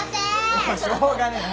もうしょうがねえな。